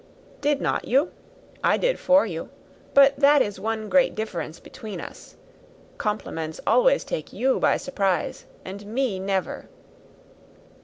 "Did not you? I did for you. But that is one great difference between us. Compliments always take you by surprise, and me never.